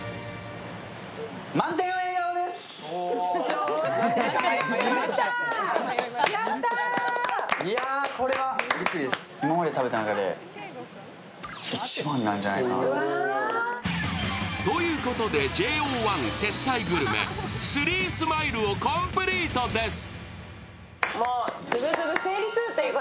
満点の笑顔です！ということで、ＪＯ１接待グルメ、スリースマイルをコンプリートです。